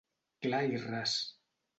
Clar i ras.